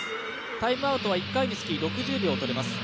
タイムアウトは１回につき６０秒とれます。